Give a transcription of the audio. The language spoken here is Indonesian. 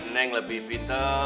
neng lebih pinter